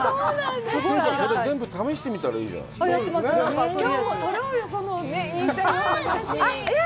それで全部試してみたらいいじゃない。